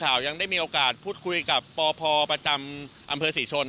ได้จัดเตรียมความช่วยเหลือประบบพิเศษสี่ชน